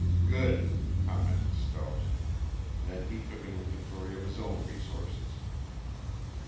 "Good!" commented Stubbs. Then he took an inventory of his own resources.